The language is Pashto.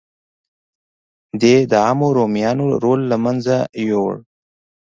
دې د عامو رومیانو رول له منځه یووړ